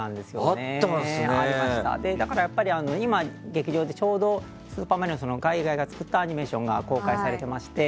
今、劇場でちょうど「スーパーマリオ」の海外が作ったアニメーションが公開されていまして。